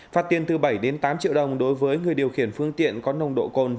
phạt tiền từ bảy đến tám triệu đồng đối với người điều khiển phương tiện có nồng độ cồn